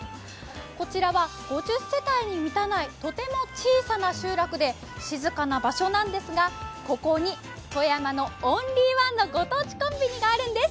こちらは５０世帯に満たないとても小さな集落で静かな場所なんですが、ここに富山のオンリーワンのご当地コンビニがあるんです。